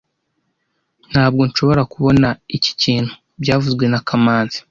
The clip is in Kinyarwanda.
Ntabwo nshobora kubona iki kintu byavuzwe na kamanzi